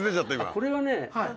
これはね。